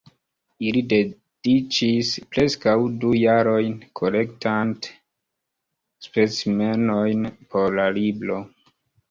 Ili dediĉis preskaŭ du jarojn kolektante specimenojn por la libro.